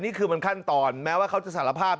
นี่คือมันขั้นตอนแม้ว่าเขาจะสารภาพ